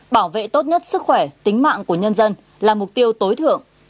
bảo vệ tốt nhất sức khỏe tính mạng của nhân dân là mục tiêu tối thượng